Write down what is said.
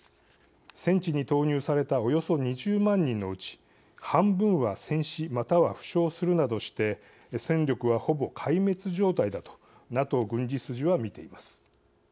戦地に投入されたおよそ２０万人のうち半分は戦死または負傷するなどして戦力は、ほぼ壊滅状態だとＮＡＴＯ軍事筋は見ています。